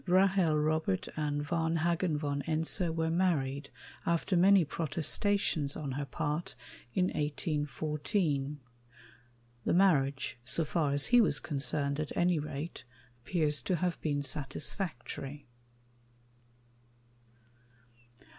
Rahel Robert and Varnhagen von Ense were married, after many protestations on her part, in 1814. The marriage so far as he was concerned, at any rate appears to have been satisfactory.